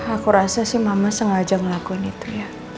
aku rasa sih mama sengaja ngelakuin itu ya